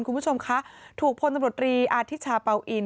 คุณผู้ชมคะถูกพลตำรวจรีอาธิชาเป่าอิน